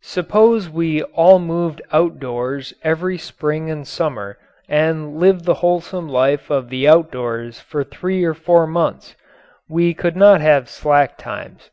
Suppose we all moved outdoors every spring and summer and lived the wholesome life of the outdoors for three or four months! We could not have "slack times."